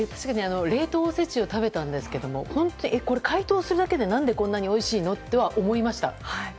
冷凍おせちを食べたんですが解凍するだけで何でこんなにおいしいの？って思いました。